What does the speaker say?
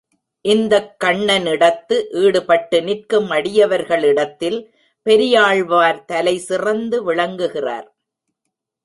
இந்தக் கண்ணனிடத்து ஈடுபட்டு நிற்கும் அடியவர்களிடத்தில் பெரியாழ்வார் தலைசிறந்து விளங்குகிறார்.